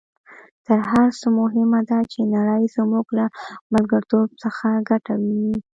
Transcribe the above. تر هر څه مهمه ده چې نړۍ زموږ له ملګرتوب څخه ګټه وویني.